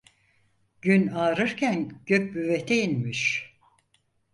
Gün ağarırken Gök Büvet'e inmiş.